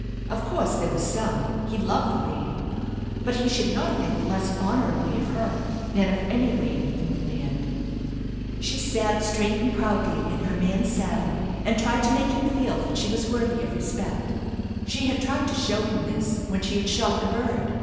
Of course, there was some; he loved the lady, but he should not think less honorably of her than of any lady in the land. She sat straight and proudly in her man's saddle, and tried to make him feel that she was worthy of respect. She had tried to show him this when she had shot the bird.